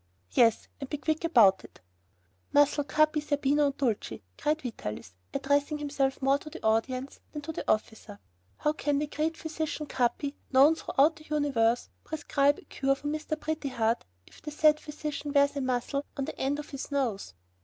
"Yes, and be quick about it!" "Muzzle Capi, Zerbino, and Dulcie," cried Vitalis, addressing himself more to the audience than to the officer; "how can the great physician, Capi, known throughout the universe, prescribe a cure for Mr. Pretty Heart, if the said physician wears a muzzle on the end of his nose?"